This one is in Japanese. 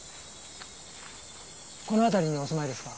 この辺りにお住まいですか？